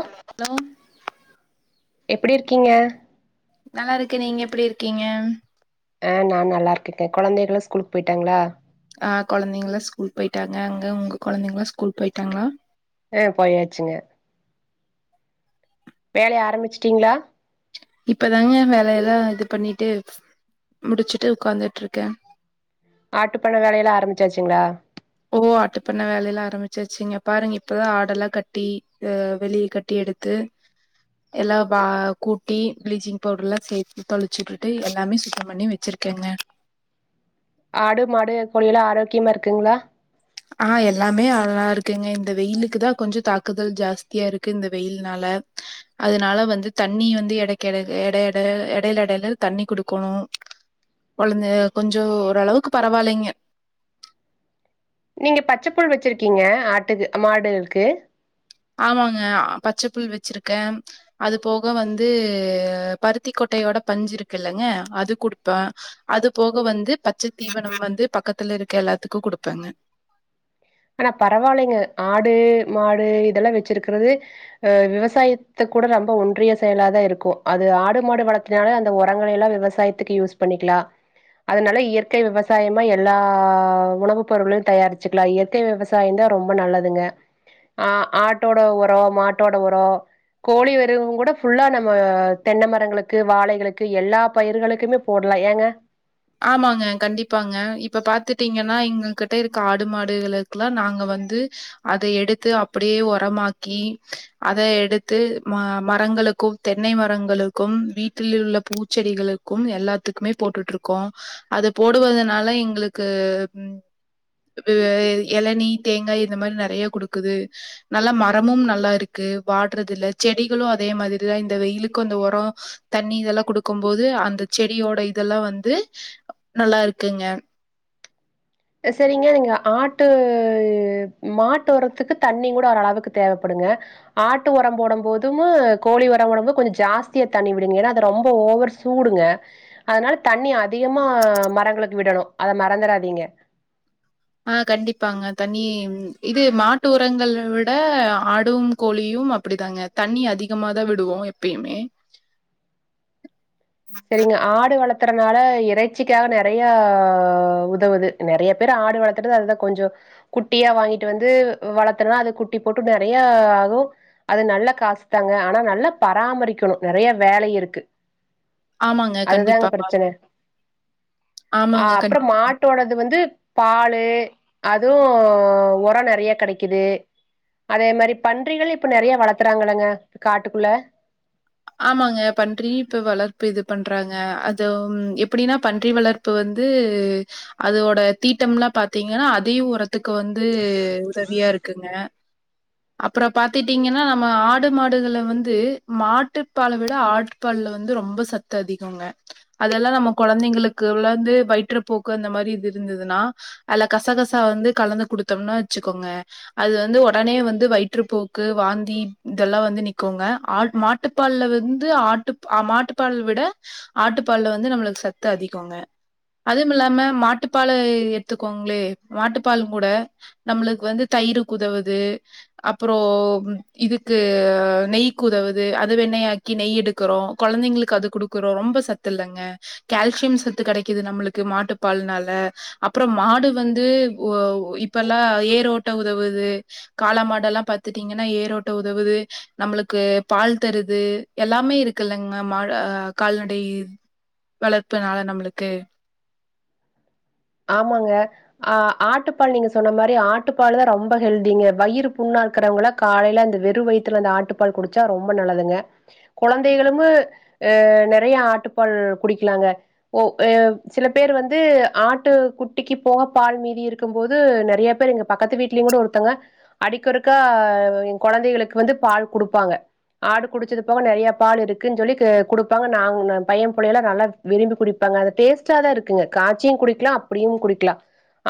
Hello எப்டி இருக்கீங்க நல்லா இருக்க நீங்க எப்டி இருக்கீங்க ஆஹ் நான் நல்லா இருக்கேன்க கொளந்தைகளாம் ஸ்கூலுக்கு போயிட்டாங்களா ஆஹ் குழந்தைங்களல்ல ஸ்கூல் போயிட்டாங்க அங்க உங்க குழந்தைங்களாம் ஸ்கூல் போயிட்டாங்களா ஆஹ் போயாச்சுங்க வேலய ஆரம்பிச்சசிட்டீங்ளா இப்பதாங்க வேலையெல்லாம் இது பண்ணிட்டு முடிச்சுட்டு உட்காந்துட்டு இருக்கே ஆட்டுப்பண்ண வேலையெல்லா ஆரம்பிச்சாச்சுங்களா ஓ ஆட்டு பண்ண வேலையெல்லாம் ஆரம்பிச்சாச்சுங்க பாருங்க இப்பதான் ஆட எல்லா கட்டி அஹ் வெளியே கட்டி எடுத்து எல்லாம் வா கூட்டி பிளீச்சிங் பவுடர் எல்லா சேர்த்து தொளிச்சுட்டுட்டு எல்லாமே சுத்தம் பண்ணி வச்சிருக்கேங்க ஆடு மாடு கோழி எல்லா ஆரோக்கியமா இருக்குங்ளா ஆஹ் எல்லாமே அல்லா இருக்குங்க இந்த வெயிலுக்கு தா கொஞ்சொ தாக்குதல் ஜாஸ்தியா இருக்கு இந்த வெயில்னால அதனால வந்து தண்ணி வந்து இடக்க எட எட இடையில எடையில தண்ணி குடுக்கணும் குழந்த கொஞ்சொ ஓரளவுக்கு பரவாயில் இல்லைங்க நீங்க பச்சப்புள் வச்சிருக்கீங்க ஆட்டுக்கு மாடுக்கு ஆமாங்க பச்ச புல் வச்சிருக்கேன் அது போக வந்து பருத்தி கொட்டையோட பஞ்சு இருக்கு இல்லலைங்க அது குடுப்பேன் அது போக வந்து பச்ச தீவன வந்து பக்கத்துல இருக்க எல்லாத்துக்கு குடுப்பேங்க ஆனா பரவாயில்லங்க ஆடு மாடு இதெல்லா வச்சிருக்கிறது அஹ் விவசாயத்தை கூட ரொம்ப ஒன்றிய செயல தான் இருக்கொ அது ஆடு மாடு வளர்த்தினாலே அந்த உரங்கள எல்லாமவிவசாயத்துக்கு யூஸ் பண்ணிக்கலா அதனால இயற்கை விவசாயமா எல்லா உணவுப் பொருளையு தயாரிச்சுிக்கலா இயற்க தே விவசாயம் தான் ரொம்ப நல்லதுங்க ஆஹ் ஆட்டோட உரம் மாட்டோட உரம் கோழி வருவ கூட ஃபுல்லா நம்ம தென்னை மரங்களுக்கு வாழைகளுக்கு எல்லா பயிர்களுக்குமே போடலாம் ஏங்க ஆமாங்க கண்டிப்பாங்க இப்ப பாத்துட்டீங்கன்னா எங்க கிட்ட இருக்க ஆடு மாடுகளுக்குெல்லா நாங்க வந்து அத எடுத்து அப்படியே உரமாக்கி அத எடுத்து ம மரங்களுக்கும் தென்னை மரங்களுக்கும் வீட்டில உள்ள பூச்செடிகளுக்கும் எல்லாத்துக்குமே போட்டுட்டு இருக்கோ க்கும் அது போடுவதனால எங்களுக்கு எளநி தேங்காய் இந்த மாதிரி நிறைய கொடுக்குது நல்லா மரமும் நல்லா இருக்கு வாடுறது இல செடிகளு அதே மாதிரிதான் இந்த வெயிலுக்கு அந்த உரம் தண்ணி இதெல்லா கொடுக்கும் போது அந்த செடியோட இதெல்லா வந்து து நல்லா இருக்குங்க சரிங்க நீங்க ஆட்டு மாட்டு உரத்துக்கு தண்ணி கூட ஓர அளவுக்கு தேவைப்படுங்க ஆட்டு உரம் போடும் போதும கோழி உரம் போடும் போது கொஞ்சம் ஜாஸ்தியா தண்ணி விடுங்க ஏன்னா அது ரொம்ப ஓவர் சூடுங்க அதனால தண்ணி அதிகமா மரங்களுக்கு விடணும் அத மறந்துராதீங்க ஆஹ் கண்டிப்பாங்க தண்ணி இது மாட்டு உரங்கலவிட ஆடும் கோழியும் அப்டிதாங்க தண்ணி அதிகமாதான் விடுவோ எப்பயுமே சரிங்க ஆடு வளத் வளத்துறனால இறைச்சிக்காக நிறையா உதவுது நிறைய பேர் ஆடு வளர்த்துறது அததுதான் கொஞ்சொ குட்டியா வாங்கிட்டு வந்து வளர்த்தறனா அது குட்டி போட்டு நிறைய ஆகும் அது நல்லா காசுத்தாங்க ஆனா நல்லா பராமரிக்கணும் நிறைய வேலை இருக்கு ஆமாங்க கண்டிப்பா ஆமாங்க. அஹ் கண்டிப்பா. அப்புறம் மாட்டோடது வந்து பாலு அதுவும் உரம் நிறைய கிடைக்குது அதே மாதிரி பன்றிகள் இப்ப நிறைய வளத்துறாங்களங்க காட்டுக்குள்ள ஆமாங்க பன்றி இ வளர்ப்பு இது பண்றாங்க அது எப்டின்னா பன்றி வளர்ப்பு வந்து அதோட தீட்டம் எல்லாம் பாத்தீங்கன்னா அதையும் ஒருத் த்துக்கு வந்து உதவியா இருக்குங்க அப்புறம் பாத்திட்டீங்கன்னா நம்ம ஆடு மாடுகள்ல வந்து மாட். மாட்டுப்பால விட ஆட்பால்ல வந்து ரொம்ப சத்து அதிகொங்க. அதெல்லாம் நம்ம குழந்தைங்களுக்கு வந்து வயிற்றுப்போக்கு அந்த மாதிரி இது இருந்ததுன்னா அதுல கசகசா வந்து கலந்து கொடுத்தோம்னா வச்சுக்கோங்க அது வந்து உடனே வந்து வயிற்றுப்போக்கு வாந்தி இதெல்லாம் வந்து நிக்குங்க ஆட் மாட். மாட்டுப்பால்ல வந்து ஆட்டு மாட்டுப்பால் விட ஆட்டுப்பால்ல வந்து நம்மளுக்கு சத்து அதிகொங்க. அதுவும் இல்லாம மாட்டுப்பலை எடுத்துக்கோங்களே மாட்டுப்பால் கூட நம்மளுக்கு வந்து தயிர் குதவுது அப்புறம் இதுக்கு நெய் குதவுது. து அது வெண்ணெயாக்கி நெய் எடுக்கிறோம் குழந்தைங்களுக்கு அது குடுக்கறோம் ரொம்ப சத்து இல்லங்க கேல்சியம் சத்து கிடைக்குது நம்மளுக்கு மாட்டு பால்னால அப்புறம் மாடு வந்து ஒ இப்பெல்லா ஏரோட்ட உதவுது காள மாடெல்லாம் பாத்துட்டீங்கன்னா ஏரோட்ட உதவுது நம்மளுக்கு. பால் தருது எல்லாமே இருக்குல்லங் மேம் ஆஹ கால்நடை வளர்ப்புனால நம்மளுக்கு. ஆமாங்க ஆஹ ஆட்டுப்பால் நீங்க சொன்ன மாதிரி ஆட்டுப்பால் தான் ரொம்ப ஹெல்திங்க வயிறு புண்ணா இருக்கிறவங்க காலையில அந்த வெரு வயித்துல அந்த ஆட்டுப்பால் குடிச்சா ரொம்ப நல்லதுங்க. குழந்தைகளும் அஹ நெறைய ஆட்டுப்பால் குடிக்கலாங்க. ஓ எவ் சில பேர் வந்து ஆட். ட்டு குட்டிக்கு போக பால் மீதி இருக்கும் போது நெறைய பேர் எங்க பக்கத்து வீடலயும் கூட ஒருத்தங்க அடிக்கறுக்க குழந்தைகளுக்கு வந்து பால் குடுப்பாங்க ஆடு குடிச்சது போக நெறைய பால் இருக்குன்னு சொல்லி குடுப்பாங்க நா பையன் புள்ளையெல்லாம் நல்லா விரும்பி குடிப்பாங்க அந்த டேஸ்ட்டா தான் இருக்குங்க காய்சியும் குடிக்கலாம் அப். அப்படியும் குடிக்கலாம்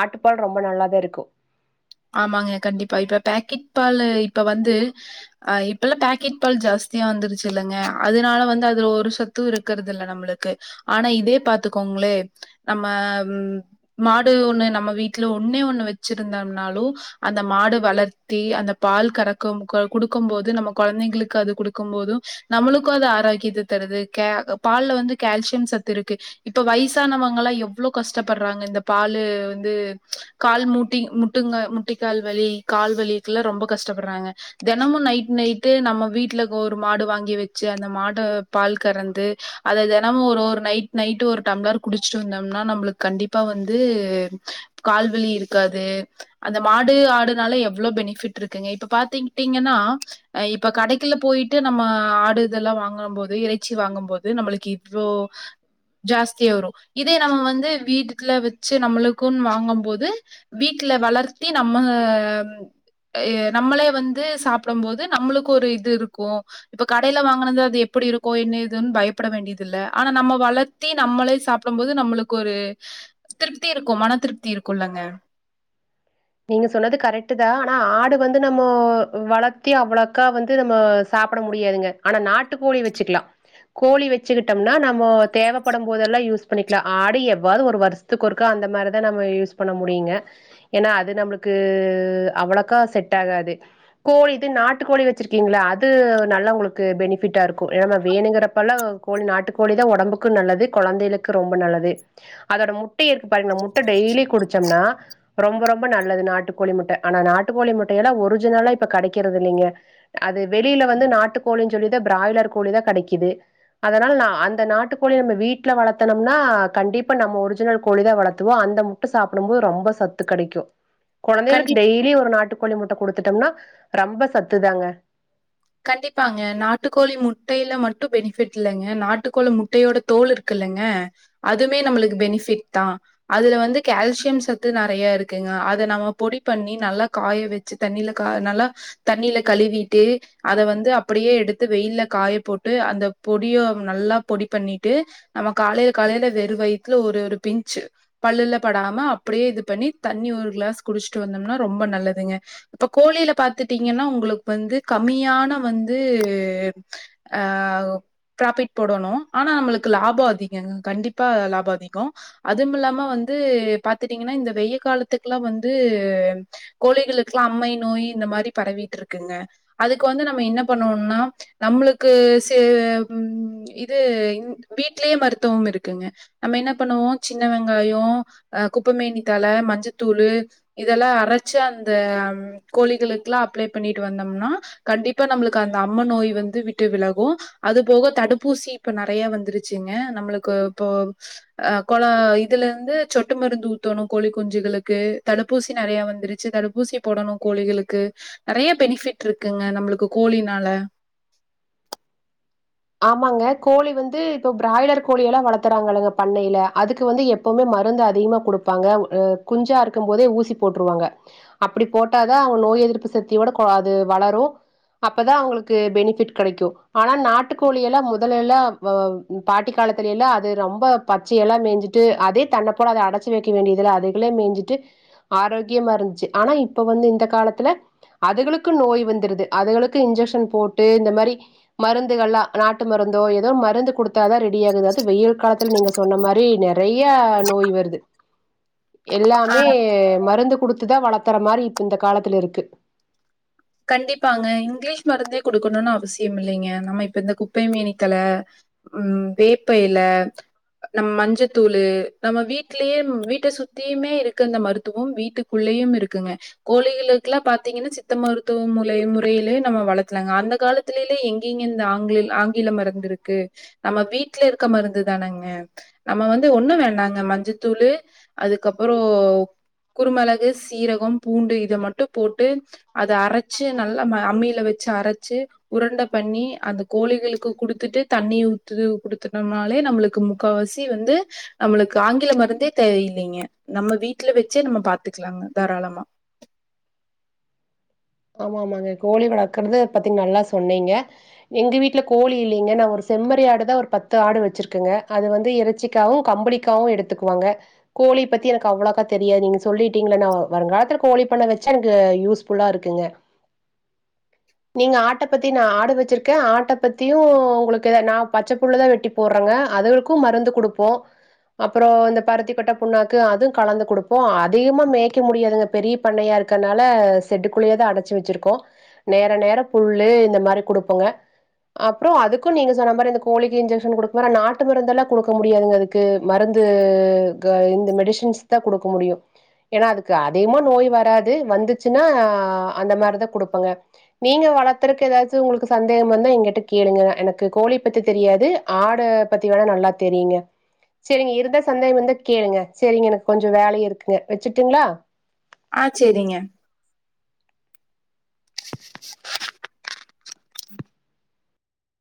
ஆட்டுப்பால் ரொம்ப நல்லாதான் இருக்கும். ஆமாங்க கண்டிப்பா இப்ப பேக்கெட் பால் இப்ப வந்து அஹ இப்பல்லா பேக்கெட் பால் ஜாஸ்தியா வந்துருச்சு இல்லங்க அதனால வந்து அதுல ஒரு சத்து இருக்கறதில்ல நம்மளுக்கு. ஆனா இதே பாத்துக்கோங்களே நம்ம ம் மாடு ஒண்ணு நம்ம வீட்டுல ஒண்ணே ஒண்ணு வச்சிருந்தாம். னாலு அந்த மாடு வளர்த்தி அந்த பால் கறக்கும் கொடுக்கும் போது நம்ம குழந்தைங்களுக்கு அது கொடுக்கும் போதும் நம்மளுக்கும் அது ஆரோக்கியத்த தருது கே பால்ல வந்து கேல்சியம் சத்து இருக்கு. இப்ப வயசானவங்களாம் எவ்வளவோ கஷ்டப்படுறாங்க இந்த பாலு வந்து ம்ச் கால் மூட்டி முட்டி. முட்டுங்க முட்டிங் கால் வலி கால்வலிக்கெல்லாம் ரொம்ப கஷ்டப்படுறாங்க. தினமும் நைட் நைட்டு நம்ம வீட்டுல ஒரு மாடு வாங்கி வச்சு அந்த மாட பால் கறந்து அத தினமும் ஒரு ஒரு நைட் நைட்டு ஒரு டம்ளர் குடிச்சிட்டு வந்தோம்னா நம்மளுக்கு கண்டிப்பா வந்து கால்வலி இருக்காது. அந்த மாடு ஆடுனால எவ்வளவு பெனிஃபிட் இருக்குங்க இப்ப பாத்திட்டீங்கன்னா ஹ இப்ப கடைக்குல்ல போயிட்டு நம்ம ஆடு இதெல்லாம் வாங்கும் போது இறைச்சி வாங்கும் போது நம்மளுக்கு இவ்வளோ ஜாஸ்தியா வரும் இதே நம்ம வந்து வீட்டுல வச்சு நம்மக்கும்ன்னு வாங்கும் போது வீட். வீட்டுல வளர்த்தி நம்ம ஹ நம்மளே வந்து சாப்பிடும் போது நம்மளுக்கு ஒரு இது இருக்கும் இப்ப கடையில வாங்கினது அது எப்படி இருக்கும் என்ன ஏதுன்னு பயப்பட வேண்டியது இல்ல ஆனா நம்ம வளர்த்தி நம்மளே சாப்பிடும் போது நம்மளுக்கு ஒரு திருப்தி இருக்கும் மன திருப்தி இருக்கும் இல்லங்க. நீங்க சொன்னது கரெக்ட் தான் ஆனா ஆடு வந்து நம்மோ வளத்தி அவ்வளோக்கா வந்து நம்ம சாப்பிட முடியாதுங்க ஆனா நாட்டு கோழி வச்சுக்கலாம். கோழி வச்சுக்கிட்டோம்னா நம்ம தேவைப்படும் போதெல்லாம் யூஸ் பண்ணிக்கலாம் ஆடு எவ்வாவது ஒரு வருஷத்துக்கு ஒருக்கா அந்த மாதிரிதான் நம்ம யூஸ் பண்ண முடியுங்க ஏன்னா. து நம்மளுக்கு அவ்ளக்கா செட் ஆகாது கோழி இது நாட்டுக்கோழி வச்சிருக்கீங்கள அது நல்லா உங்களுக்கு பெனிஃபிட்டா இருக்கும் ஏன்னா நம்ம வேணுங்குறப்பெல்லா கோழி நாட்டுக்கோழி தான் உடம்புக்கும் நல்லது குழந்தைகளுக்கு ரொம்ப நல்லது அதோட முட்ட இருக்கு பாருங்க அதோட முட்ட டெய்லி குடிச்சோம்னா ரொம்ப ரொம்ப. ரொம்ப நல்லது நாட்டுக்கோழி முட்ட ஆனா நாட்டுக்கோழி முட்டையெல்லாம் ஒரிஜினலா இப்ப கிடைக்கிறது இல்லைங்க. அது வெளியில வந்து நாட்டு கோழின்னு சொல்லிதா பிராய்லர் கோழி தான் கிடைக்குது. அதனால அந்த நாட்டுக்கோழி நம் வீட்டுல வளர்த்தனோம்னா கண்டிப்பா நம்ம ஒரிஜினல் கோழி தான் வளர்த்துவோம் அந்த முட்ட சாப்பிடும் போது ரொம்ப சத்து கெடைக்கு. கண்டிப்பா குழந்தைகளுக்கு டெய்லி ஒரு நாட்டுப். கோழி முட்ட கொடுத்துட்டோம்னா ரொம்ப சத்து தாங்க. கண்டிப்பாங்க நாட்டுக்கோழி முட்டையில மட்டும் பெனிஃபிட் இல்லைங்க நாட்டுக்கோழி முட்டையோட தோல் இருக்குல்லங்க அதுமே நம்மளுக்கு பெனிஃபிட் தான். அதுல வந்து கால்சியம் சத்து நறைய இருக்குங்க அத நம்ம பொடி பண்ணி நல்லா காய வச்சு தண்ணில கா நல்லா தண்ணில கழுவிட்டு. அத வந்து அப்படியே எடுத்து வெயில்ல காய போட்டு அந்த பொடியோ நல்லா பொடி பண்ணிட்டு நம்ம காலையில காலையில வெற வயிறத்துல ஒரு ஒரு பிஞ்சு பள்ளுல படாம அப்படியே இது பண்ணி தண்ணி ஒரு கிளாஸ் குடிச்சுட்டு வந்தோம்னா ரொம்ப நல்லதுங்க. இப்ப கோழியில பாத்துட்டீங்கன்னா உங்களுக்கு வந்து. கம்மியான வந்து ஆஹ் பிராஃபிட் போடணும் ஆனா நம்மளுக்கு லாபம் அதிக கண்டிப்பா லாபம் அதிகம் அதுவும்ல்லாம வந்து பாத்துட்டீங்கன்னா இந்த வெயில் காலத்து எல்லா வந்து கோழிகளுக்கு எல்லா அம்மை நோய் இந்த மாதிரி பரவிட்டு இருக்குங்க அதுக்கு வந்து நம்ம என்ன பண்ணுவோம்னா. நம்மளுக்கு சே ம்ச் இது வீட்லயே மருத்துவம் இருக்குங்க நம்ம என்ன பண்ணுவோம் சின்ன வெங்காயம் குப்பைமேனி தழ மஞ்சத்தூளு இதெல்லாம் அரைச்சி அந்த கோழிகளுக்கெலா அப்ளை பண்ணிட்டு வந்தோம்னா. கண்டிப்பா நம்மளுக்கு அந்த அம்ம நோய் வந்து விட்டு விலகும். அது போக தடுப்பூசி இப்ப நறைய வந்துருச்சுங்க நம்மளுக்கு இப்போ அஹ கொல இதுல இருந்து சொட்டு மருந்து ஊத்தணும் கோழி குஞ்சுகளுக்கு தடுப்பூசி நறைய வந்துருச்சு தடுப்பூசி போடணும் கோழிகளுக்கு நெறைய பெனிஃபிட். ட்டுருக்குங்க நம்மளுக்கு கோழினால. ஆமாங்க கோழி வந்து இப்ப பிராய்லர் கோழி எல்லாம் வளர்த்துறாங்கில்லைங்க பண்ணையில அதுக்கு வந்து எப்பவுமே மருந்து அதிகமா கொடுப்பாங்க குஞ்சா இருக்கும் போதே ஊசி போட்டுருவாங்க. அப்படி போட்டாதான் அவங்க நோய் எதிர்ப்பு சக்தியோட அது வளரும் அப்பதான் அவங்களுக்கு பெனிஃபிட் கிடைக்கும் ஆனா நாட்டு. நாட்டுக்கோழி எல்லாம் முதலெல்லாம் பாட்டி காலத்தலெல்லாம் அது ரொம்ப பச்சையெல்லாம் மேஞ்சிட்டு அதே தன்ன போல அத அடைச்சு வைக்க வேண்டியதுல்ல அதுகளே மேஞ்சிட்டு ஆரோக்கியமா இருந்துச்சு ஆனா இப்ப வந்து இந்த காலத்துல அதுகளுக்கு நோய் வந்துருது அதுகளுக்கு இன்ஜெக்ஷன் போட்டு இந்த மாதிரி மருந்துகள்ல்லாம். நாட்டு மருந்தோ ஏதோ மருந்து குடுத்தாதான் ரெடி ஆகுது அது வெயில் காலத்துல நீங்க சொன்ன மாரி நெறைய நோய் வருது. ஆ எல்லாமே மருந்து குடுத்துதான் வளர்த்தற மாரி இப்ப இந்த காலத்துல இருக்கு. கண்டிப்பாங்க இங்கிலீஷ் மருந்தே கொடுக்கணும்னு அவசியம் இல்லைங்க நம்ம இப்ப இந்த குப்பை மேனிக்தல உம் வேப்பையில நம்ம மஞ்சத்தூள் நம்ம வீடலேயே வீட்டை சுத்தியுமே இருக்க அந்த மருத்துவம் வீட்டுக்குள்ளையும் இருக்குங்க. கோழிகளுக்கெல்லாம் பாத்தீங்கன்னா சித்த மருத். தூ முலை முறையில நம்ம வளர்த்தலாங்க அந்த காலத்துலெல்ல எங்கீங்க இந்த ஆங்கில ஆங்கில மருந்து இருக்கு நம்ம வீட்டுல இருக்க மருந்து தானேங்க நம்ம வந்து ஒண்ணும் வேண்டாங்க மஞ்சத்தூளு அதுக்கப்புறோ குருமிளகு சீரகம் பூண்டு இத மட்டும் போட்டு அத அரைச். ச்சு நல்லா அம்மியில வச்சு அரைச்சு உருண்ட பண்ணி அந்த கோழிகளுக்கு குடுத்துட்டு தண்ணி ஊத்துது குடுத்துட்டோம்னாலே நம்மளுக்கு முக்கவாசி வந்து நம்மளுக்கு ஆங்கில மருந்தே தேவயில்லைங்க நம்ம வீட்டுல வச்சே நம்ம பாத்துக்கலாங்க தாராளமா. ஆமா ஆமாங்க கோழி வளர்க்குறது பத்திங் நல்லா சொன்னீங்க. எங்க வீட்டுல கோழி இல்லைங்க நான் ஒரு செம்மறி ஆடுதான் ஒரு பத்து ஆடு வச்சிருக்கேங்க அது வந்து இறைச்சிக்காவும் கம்பளிக்காவும் எடுத்துக்குவாங்க. கோழி பத்தி எனக்கு அவ்வளோக்கா தெரியாது நீங்க சொல்லிட்டீங்கள நான் வருங்காலத்துல கோழி பண்ண வச்சா எனக்கு யூஸ்ஃபுல்லா இருக்கு. க்கீங்க. நீங்க ஆட்ட பத்தி நான் ஆடு வச்சிருக்கேன் ஆட்ட பத்தியும் உங்களுக்கு ந பச்ச புல்லதான் வெட்டி போடுறேங்க அதுகளுக்கும் மருந்து கொடுப்போ. அப்புறோ இந்த பருத்தி கொட்ட புண்ணாக்கு அதுவும் கலந்து கொடுப்போ அதிகமா மேயக்க முடியாதுங்க பெரிய பண்ணையா இருக்கனால செட்டு. குழுவது அடச்சு வச்சிருக்கோ. நேர நேர புல்லு இந்த மாரி குடுப்போங்க. அப்புறம் அதுக்கும் நீங்க சொன்ன மாரி இந்த கோழிக்கு இன்ஜெக்க்ஷன் குடுக்குறோங் நாட்டு மருந்தெல்லாம் குடுக்க முடியாதுங்க அதுக்கு மருந்து ங இந்த மெடிசன்ஸ்தா குடுக்க முடியும். ஏன்னா அதுக்கு அதிகமா நோய் வராது வந்துச்சுன்னா. ஆஹ் அந்த மாதிரிதான் கொடுப்பங்க நீங்க வளர்த்தறக்கு ஏதாவது உங்களுக்கு சந்தேகம் வந்தா எங்கிட்ட கேளுங்க எனக்கு கோழி பத்தி தெரியாது ஆடை பத்தி வேணா நல்லா தெரியுங்க சரிங்க இருந்த சந்தேகம் வந்த கேளுங்க சரிங்க எனக்கு கொஞ்சம் வேல இருக்குங்க வச்சுட்டுங்களா ஆஹ சேரிங்க.